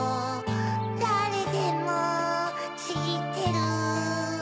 だれでもしってる